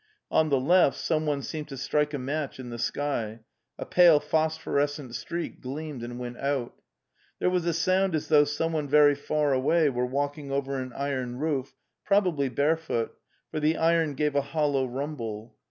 On the left someone seemed to strike a match in the sky; a pale phosphorescent streak gleamed and went out. There was a sound as though someone very far away were walking over an iron roof, prob ably barefoot, for the iron gave a hollow rumble.